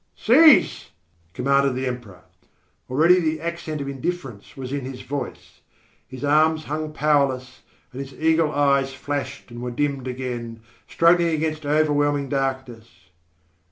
"Cease," commanded the Emperor. Already the accent of indifference was in his voice. His arms hung powerless, and his eagle eyes flashed and were dimmed again, struggling against overwhelming darkness.